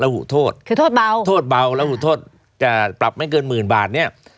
คือโทษเบาระหูโทษจะปรับไม่เกินหมื่นบาท